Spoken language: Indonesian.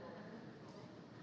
karena benteng pertama tidak disiplin